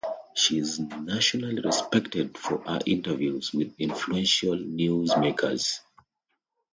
She is nationally respected for her interviews with influential newsmakers.